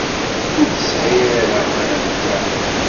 Ur tesɛi ara anamek akk.